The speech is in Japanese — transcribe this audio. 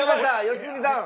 良純さん。